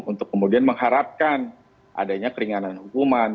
untuk kemudian mengharapkan adanya keringanan hukuman